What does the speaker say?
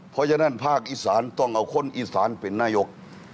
เพราะฉะนั้นภาคอีสานต้องเอาคนอีสานเป็นนายก